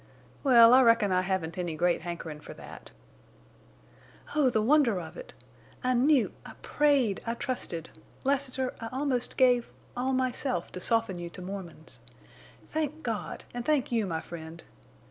"Well, I reckon I haven't any great hankerin' for that." "Oh, the wonder of it!... I knew—I prayed—I trusted. Lassiter, I almost gave—all myself to soften you to Mormons. Thank God, and thank you, my friend....